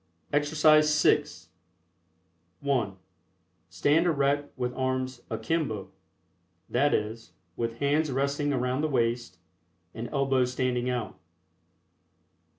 EXERCISE VI. (1) Stand erect with arms "akimbo," that is, with hands resting around the waist and elbows standing out.